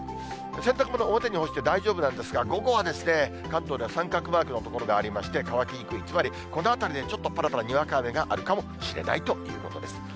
洗濯物、表に干して大丈夫なんですが、午後は関東では三角マークの所がありまして、乾きにくい、つまりこのあたりでちょっと、ぱらぱらにわか雨があるかもしれないということです。